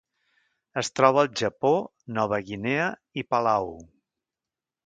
Es troba al Japó, Nova Guinea i Palau.